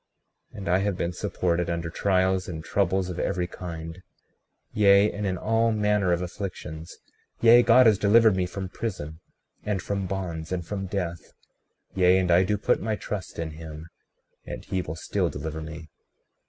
36:27 And I have been supported under trials and troubles of every kind, yea, and in all manner of afflictions; yea, God has delivered me from prison, and from bonds, and from death; yea, and I do put my trust in him, and he will still deliver me.